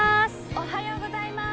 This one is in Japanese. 「おはようございます」。